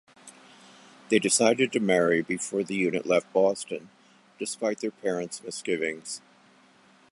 They decided to marry before the unit left Boston despite their parents' misgivings.